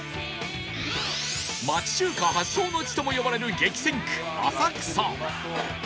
町中華発祥の地とも呼ばれる激戦区浅草